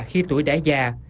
khi tuổi đã già